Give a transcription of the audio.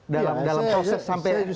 dalam proses sampai hari ini ya